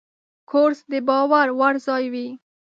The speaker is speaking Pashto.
کورس د باور وړ ځای وي.